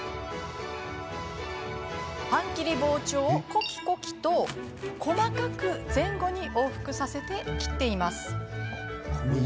パン切り包丁をコキコキと細かく前後に往復させて切っています。